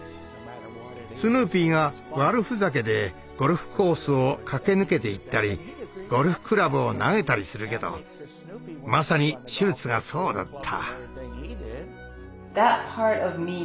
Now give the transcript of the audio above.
スヌーピーが悪ふざけでゴルフコースを駆け抜けていったりゴルフクラブを投げたりするけどまさにシュルツがそうだった。